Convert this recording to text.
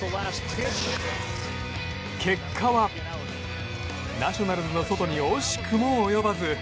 結果は、ナショナルズのソトに惜しくも及ばず。